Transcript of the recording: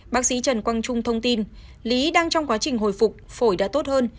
bác sĩ trần quang trung thông tin lý đang trong quá trình hồi phục phổi đã tốt hơn